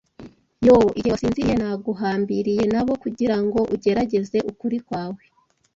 Yoo, igihe wasinziriye, naguhambiriye nabo kugira ngo ugerageze ukuri kwawe